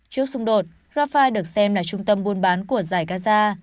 trước xung đột rafah được xem là trung tâm buôn bán của giải gaza